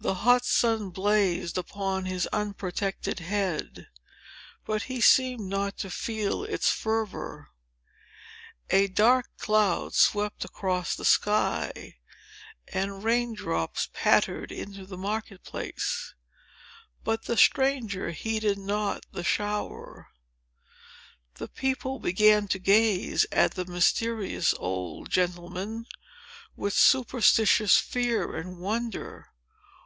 The hot sun blazed upon his unprotected head; but he seemed not to feel its fervor. A dark cloud swept across the sky, and rain drops pattered into the market place; but the stranger heeded not the shower. The people began to gaze at the mysterious old gentleman, with superstitious fear and wonder.